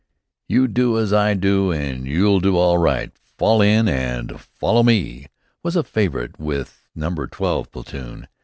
"You do as I do and you'll do right, Fall in and follow me!" was a favorite with number 12 platoon.